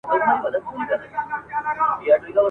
یوه ورځ ګورې چي ولاړ سي له جهانه ..